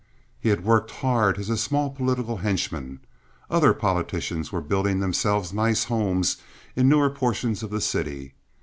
He had worked hard as a small political henchman. Other politicians were building themselves nice homes in newer portions of the city.